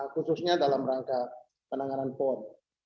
khususnya dalam rangka penanganan pon